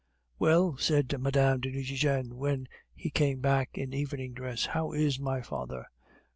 "Well," said Mme. de Nucingen when he came back in evening dress, "how is my father?"